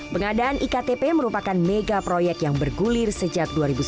pengadaan iktp merupakan mega proyek yang bergulir sejak dua ribu sembilan belas